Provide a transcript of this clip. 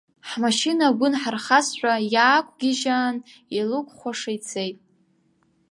Ҳмашьына агәы нҳархазшәа, иаақәгьежьаан илықәхәаша ицеит.